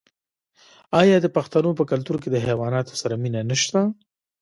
آیا د پښتنو په کلتور کې د حیواناتو سره مینه نشته؟